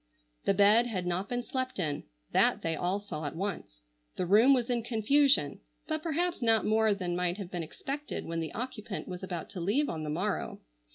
The bed had not been slept in; that they all saw at once. The room was in confusion, but perhaps not more than might have been expected when the occupant was about to leave on the morrow.